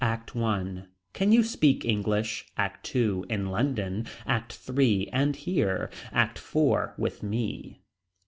ACT I. Can you speak English. ACT II. In London. ACT III. And here. ACT IV. With me.